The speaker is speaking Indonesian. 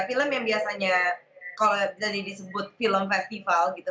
film yang biasanya kalau tadi disebut film festival gitu